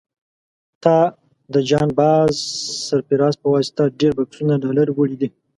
تا د جان باز سرفراز په واسطه ډېر بکسونه ډالر وړي دي.